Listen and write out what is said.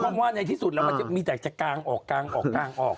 พดว่าในที่สุดมันมีแต่กางออกกางออกกางออก